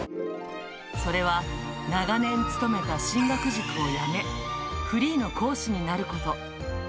それは長年勤めた進学塾を辞め、フリーの講師になること。